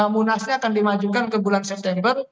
munasnya akan dimajukan ke bulan september